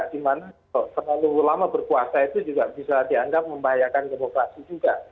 dimana terlalu lama berkuasa itu juga bisa dianggap membahayakan demokrasi juga